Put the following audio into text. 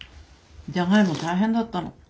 じゃがいも大変だったの。